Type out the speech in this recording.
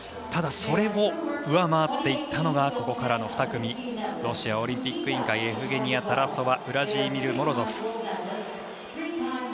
ただ、それを上回っていったのがここからの２組ロシアオリンピック委員会エフゲニア・タラソワウラジーミル・モロゾフ。